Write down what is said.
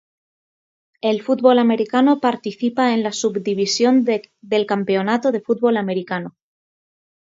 El football americano participa en la Subdivisión del Campeonato de Football Americano.